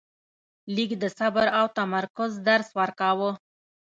لیک د صبر او تمرکز درس ورکاوه.